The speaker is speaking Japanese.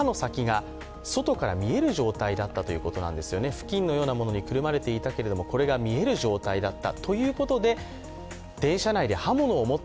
布巾のようなものにくるまれていたけれども、見える状態だった。